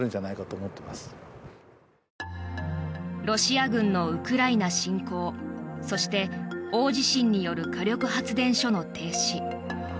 ロシア軍のウクライナ侵攻そして大地震による火力発電所の停止。